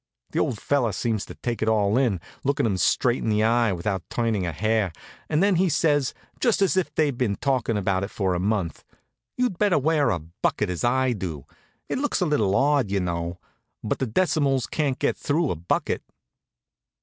The old fellow seems to take it all in, lookin' him straight in the eye, without turnin' a hair, and then he says, just as if they'd been talkin' about it for a month: "You'd better wear a bucket, as I do. It looks a little odd, you know; but the decimals can't get through a bucket.